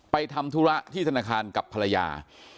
ทำธุระที่ธนาคารกับภรรยา